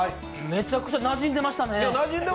めちゃくちゃなじんでましたよね。